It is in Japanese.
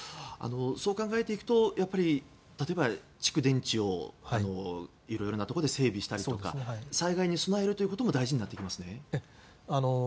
そう考えていくとやっぱり例えば、蓄電池をいろいろなところで整備したりとか災害に備えることも大事になってきますね。